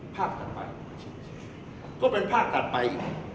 ภาคตัดไปก็เป็นภาคตัดไป